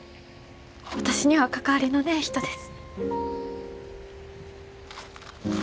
私には関わりのねえ人です。